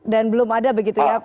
dan belum ada begitu ya